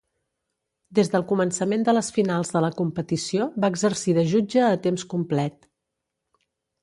Des del començament de les finals de la competició, va exercir de jutge a temps complet.